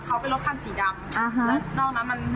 เขาก็เลยหักมาทางซ้ายก็เลยมาชน